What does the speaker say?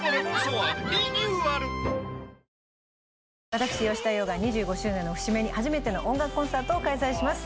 私、吉田羊が２５周年の節目に初めての音楽コンサートを開催します。